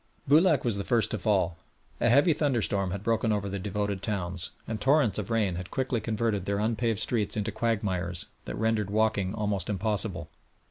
Boulac was the first to fall. A heavy thunderstorm had broken over the devoted towns, and torrents of rain had quickly converted their unpaved streets into quagmires, that rendered walking almost impossible.